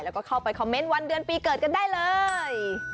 แล้วก็เข้าไปคอมเมนต์วันเดือนปีเกิดกันได้เลย